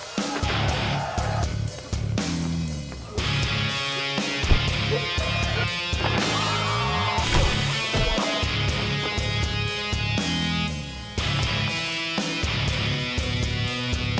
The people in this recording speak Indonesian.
yang ketiga adalah ini